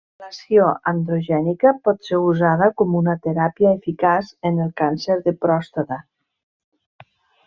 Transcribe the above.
L'ablació androgènica pot ser usada com una teràpia eficaç en el càncer de pròstata.